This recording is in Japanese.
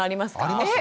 あります？